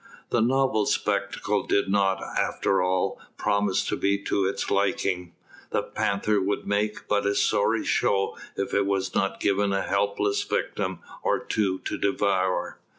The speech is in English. The novel spectacle did not, after all, promise to be to its liking. The panther would make but a sorry show if it was not given a helpless victim or two to devour.